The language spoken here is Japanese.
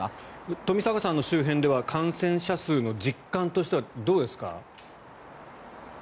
冨坂さんの周辺では感染者数の実感としてはどうですか。